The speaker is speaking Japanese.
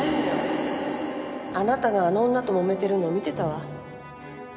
あなたがあの女ともめてるの見てたわ。